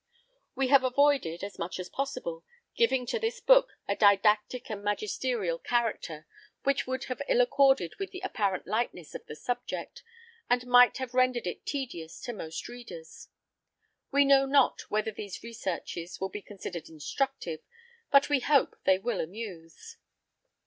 We have avoided, as much as possible, giving to this book a didactic and magisterial character, which would have ill accorded with the apparent lightness of the subject, and might have rendered it tedious to most readers. We know not whether these researches will be considered instructive, but we hope they will amuse.